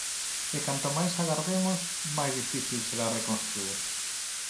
E canto máis agardemos, máis difícil será reconstruír.